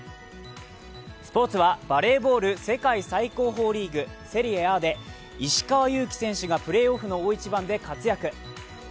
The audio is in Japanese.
スポーツはバレーボール世界最高峰リーグ、セリエＡで石川祐希選手がプレーオフの大一番で活躍。